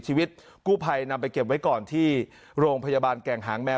ชีวิตกู้ภัยนำไปเก็บไว้ก่อนที่โรงพยาบาลแก่งหางแมว